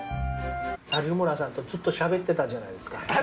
有村さんとずっとしゃべってたじゃないですか。